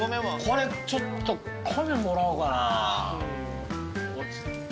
これちょっと米もらおうかな。